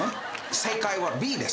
正解はＢです